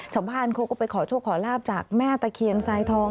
ฉันพาอันโคกไปขอโชคขอราบจากแม่ตะเคียนทรายทอง